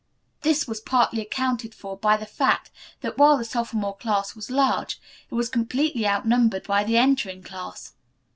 This was partly accounted for by the fact that, while the sophomore class was large, it was completely outnumbered by the entering class.